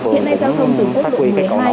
hiện nay giao thông từ quốc lộ một mươi hai